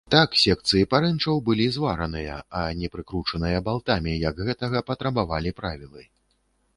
Так секцыі парэнчаў былі звараныя, а не прыкручаныя балтамі, як гэтага патрабавалі правілы.